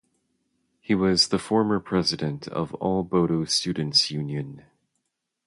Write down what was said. He was the former president of All Bodo Students Union.